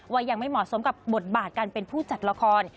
ว่ายังไม่เหมาะสมกับบทบาทการเป็นผู้จัดละคร